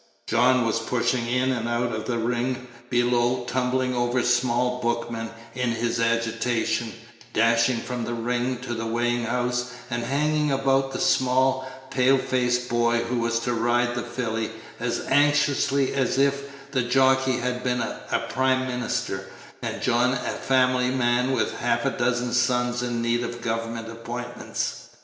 John was pushing in and out of the ring below, tumbling over small bookmen in his agitation, dashing from the ring to the weighing house, and hanging about the small, pale faced boy who was to ride the filly as anxiously as if the jockey had been a prime minister, and John a family man with half a dozen sons in need of government appointments.